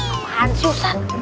apaan sih ustadz